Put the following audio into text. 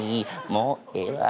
「もうええわ」